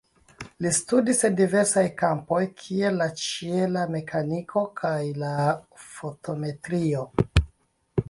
Li studis en diversaj kampoj kiel la ĉiela mekaniko kaj la fotometrio.